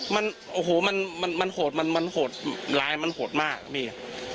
มันโอ้โหมันมันโหดมันมันโหดร้ายมันโหดมากพี่